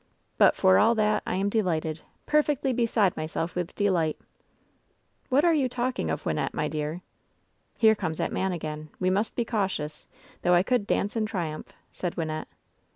But, for all that, I am delighted — perfectly beside myself with delight !" ^^What are you talking of, Wynnette, my dear?" "Here comes that man again. We must be cautious, though I could dance in triumph," said Wynnette.